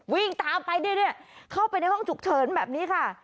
วิ่งตามไปเข้าไปในห้องฉุกเฉินแบบนี้ค่ะ